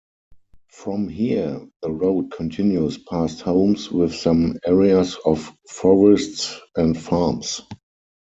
From here, the road continues past homes with some areas of forests and farms.